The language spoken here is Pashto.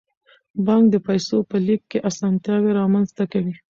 بانک د پیسو په لیږد کې اسانتیاوې رامنځته کوي.